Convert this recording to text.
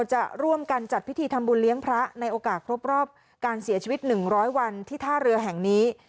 จะร่วมกันจัดพิธีทำบุญเลี้ยงพระในโอกาสครบรอบการเสียชีวิต๑๐๐วันที่ท่าเรือแห่งนี้